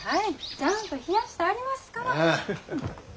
ちゃんと冷やしてありますから。